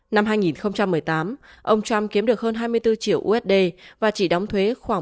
năm hai nghìn một mươi tám ông trump kiếm được hơn hai mươi bốn triệu usd và chỉ đóng thuế khoảng